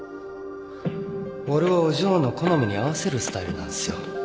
俺はお嬢の好みに合わせるスタイルなんすよ。